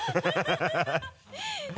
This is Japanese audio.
ハハハ